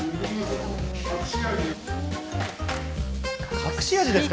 隠し味ですか？